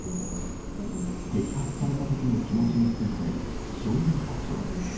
摘発されたときの気持ちについて、少年たちは。